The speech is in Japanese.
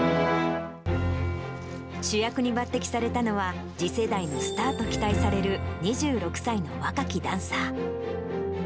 主役に抜てきされたのは、次世代のスターと期待される２６歳の若きダンサー。